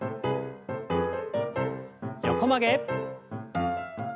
横曲げ。